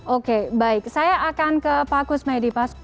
oke baik saya akan ke pak kusme di pasuk